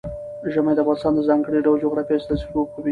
ژمی د افغانستان د ځانګړي ډول جغرافیه استازیتوب کوي.